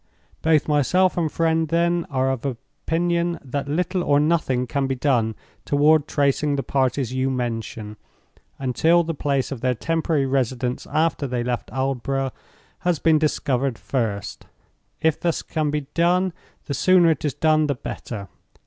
"Both myself and friend, then, are of opinion that little or nothing can be done toward tracing the parties you mention, until the place of their temporary residence after they left Aldborough has been discovered first. If this can be done, the sooner it is done the better.